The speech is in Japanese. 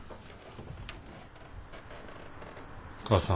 母さん。